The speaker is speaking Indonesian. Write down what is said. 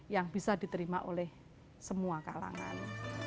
yang bisa diterima oleh semua kalangan